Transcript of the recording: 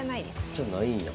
じゃないんや。